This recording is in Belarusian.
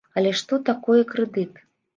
Але што такое крэдыт?